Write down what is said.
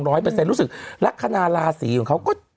รู้สึกลักษณาลาศีของเขาก็